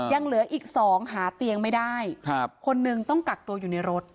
ยังเหลืออีก๒หาเตียงไม่ได้คนหนึ่งต้องกักตัวอยู่ในรถ